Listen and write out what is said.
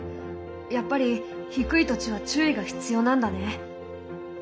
やっぱり低い土地は注意が必要なんだね。